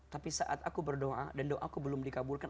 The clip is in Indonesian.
tapi saat aku berdoa dan doaku belum dikabulkan